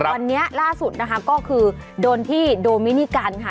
วันนี้ล่าสุดนะคะก็คือโดนที่โดมินิกันค่ะ